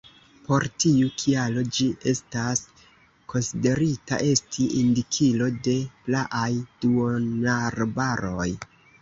Por tiu kialo ĝi estas konsiderita esti indikilo de praaj duonarbaroj.